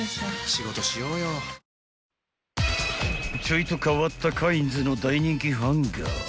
［ちょいと変わったカインズの大人気ハンガー］